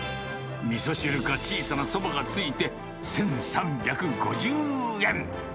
みそ汁か小さなそばが付いて付いて１３５０円。